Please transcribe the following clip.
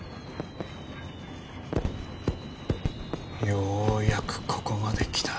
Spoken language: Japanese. ようやくここまで来た。